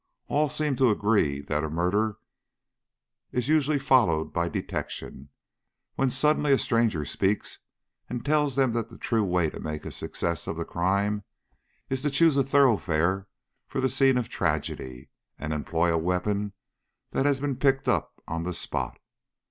All seem to agree that a murder is usually followed by detection, when suddenly a stranger speaks and tells them that the true way to make a success of the crime is to choose a thoroughfare for the scene of tragedy, and employ a weapon that has been picked up on the spot.